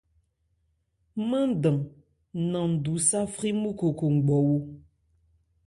Mándan 'nán ndu sâ frímúkhokhongbɔ.